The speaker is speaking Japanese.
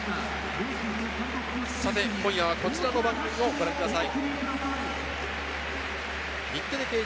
今夜はこちらの番組をご覧ください。